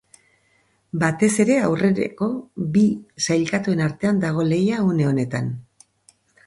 Batez ere, aurreneko bi sailkatuen artean dago lehia une honetan.